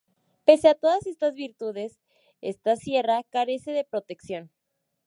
Pese a todas estas virtudes, esta sierra carece de protección.